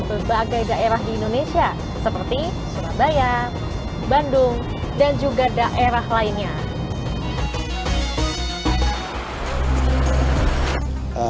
berbagai daerah di indonesia seperti surabaya bandung dan juga daerah lainnya